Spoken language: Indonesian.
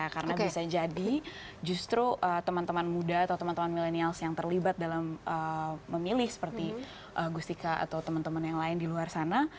karena bisa jadi justru teman teman muda atau teman teman milenials yang terlibat dalam memilih seperti gustika atau teman teman yang lain di luar sana